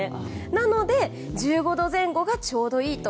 なので１５度前後がちょうどいいと。